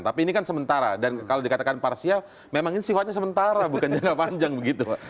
tapi ini kan sementara dan kalau dikatakan parsial memang ini sifatnya sementara bukan jangka panjang begitu